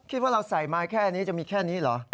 คิดว่าเราใส่มาแค่นี้จะมีแค่นี้เหรอ